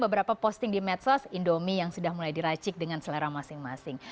beberapa posting di medsos indomie yang sudah mulai diracik dengan selera masing masing